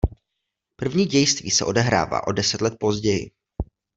První dějství se odehrává o deset let později.